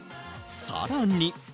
更に。